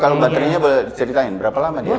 kalo baterenya boleh diceritain berapa lama dia